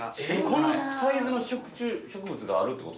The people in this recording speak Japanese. このサイズの食虫植物があるってことですよね？